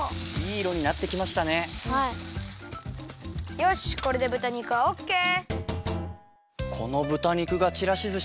よしこれでぶた肉はオッケー。